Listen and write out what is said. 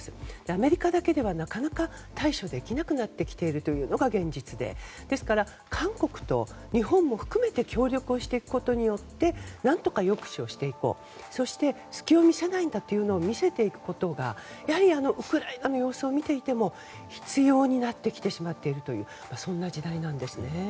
アメリカだけではなかなか対処できなくなってきているのが現実でですから、韓国と日本も含めて協力をしていくことで何とか抑止をしていこうそして隙を見せないんだというのを見せていくことがやはりウクライナの様子を見ていても必要になってきてしまっているというそんな時代なんですね。